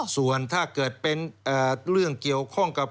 ส่วนถ้าเกิดเป็นเรื่องเกี่ยวข้องกับ